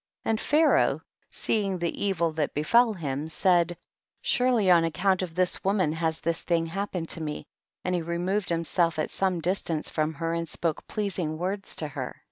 26. And Pharaoh, seeing the evil that befel him, said, surely on account •of this woman has this thing happen ed to me, and he removed liimself at ^ome distance from her and spoke pleasing words* to her.